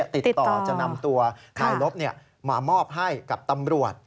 ติดต่อจะนำตัวนายลบมามอบให้กับตำรวจ